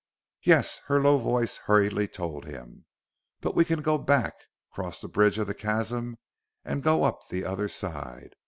"Yes," her low voice hurriedly told him. "But we can go back, cross the bridge of the chasm and go up the other side.